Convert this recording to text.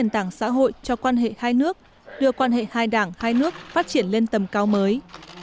tảng xã hội cho quan hệ hai nước đưa quan hệ hai đảng hai nước phát triển lên tầm cao mới